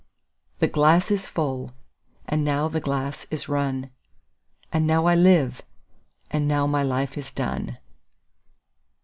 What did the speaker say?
17The glass is full, and now the glass is run,18And now I live, and now my life is done.